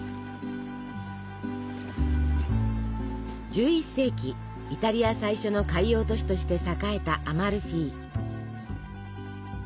１１世紀イタリア最初の海洋都市として栄えたアマルフィ。